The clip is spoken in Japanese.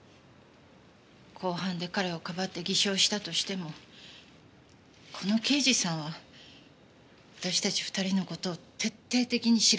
公判で彼をかばって偽証したとしてもこの刑事さんは私たち２人の事を徹底的に調べ上げるって。